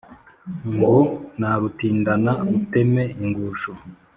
Ngo narutindana uteme* ingusho.